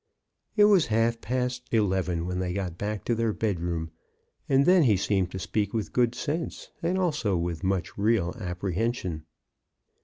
It was half past eleven when they got back to their bedroom, and then he seemed to speak with good sense, and also with much real apprehension.